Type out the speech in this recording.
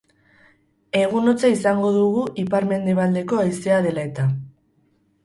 Egun hotza izango dugu ipar-mendebaldeko haizea dela eta.